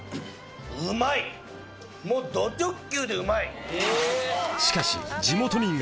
もうド直球でうまい！